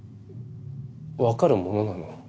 わかるものなの？